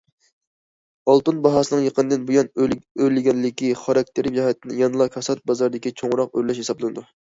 ئالتۇن باھاسىنىڭ يېقىندىن بۇيان ئۆرلىگەنلىكى خاراكتېر جەھەتتىن يەنىلا كاسات بازاردىكى چوڭراق ئۆرلەش ھېسابلىنىدۇ.